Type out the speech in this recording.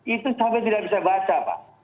itu sampai tidak bisa baca pak